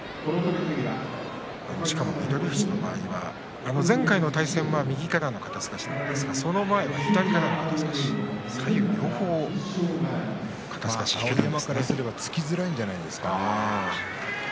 しかも翠富士の場合は前回の対戦は右からの肩すかしなんですがその前は左からの肩すかし碧山からすると突きづらいんじゃないでしょうかね。